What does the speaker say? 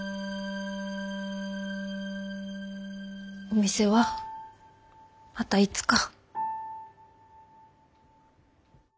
お店はまたいつか。